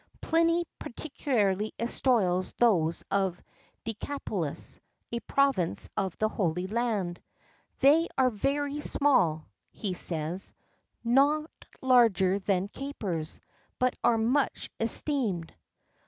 Pliny particularly extols those of Decapolis, a province of the Holy Land: "They are very small," he says, "not larger than capers; but are much esteemed."